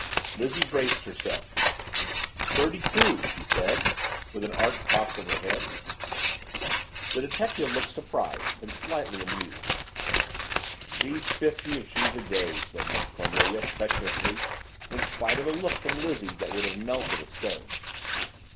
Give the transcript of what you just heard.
Lizzie braced herself. "Thirty two," she said, with an arch toss of her head. The detective looked surprised and slightly amused. "She's fifty if she's a day," said Miss Cornelia treacherously in spite of a look from Lizzie that would have melted a stone.